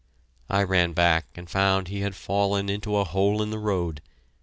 I ran back and found he had fallen into a hole in the road.